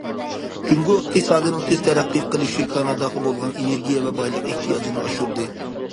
جۇڭگو ئىقتىسادىنىڭ تېز تەرەققىي قىلىشى كاناداغا بولغان ئېنېرگىيە ۋە بايلىق ئېھتىياجىنى ئاشۇردى.